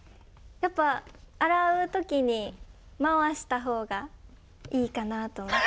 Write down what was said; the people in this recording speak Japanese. やっぱ洗う時に回した方がいいかなと思って。